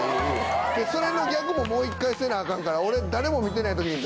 それの逆ももう１回せなアカンから俺誰も見てない時に。